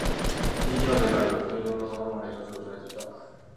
未知の世界は空洞の様々な表情を捉えていた